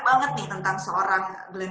banget nih tentang seorang glenn